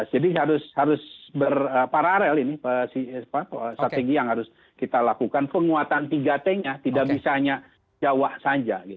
jadi harus paralel ini strategi yang harus kita lakukan penguatan tiga t nya tidak bisanya jawa saja gitu